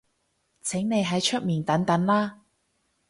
請你喺出面等等啦